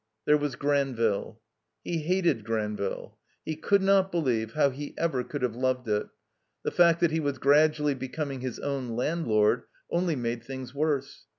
There was Granville. He hated Granville. He cotdd not believe how he ever could have loved it. The fact that he was gradually becoming his own landlord only made things worse.